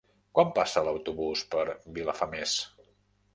Quan passa l'autobús per Vilafamés?